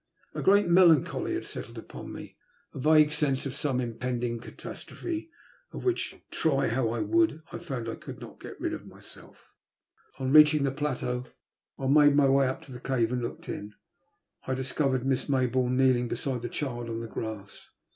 A great melan choly had settled upon me, a vague sense of some impending catastrophe, oi which, try how I would, I found I could not rid myself. On reaching the plateau, I made my way to the A BtTTER DlSAtPOlNTMEXT. 179 cave, and lool^ed in. I discovered Miss Mayboarne kneeling beside the child on the grass.